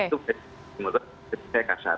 itu berarti saya kasar